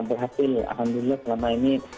berhasil alhamdulillah selama ini